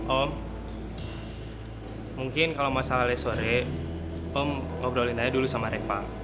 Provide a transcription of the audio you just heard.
om mungkin kalau masalahnya sore om ngobrolin aja dulu sama reva